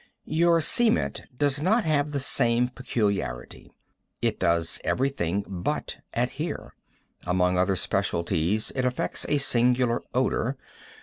Your cement does not have the same peculiarity. It does everything but adhere. Among other specialties it effects a singular odor.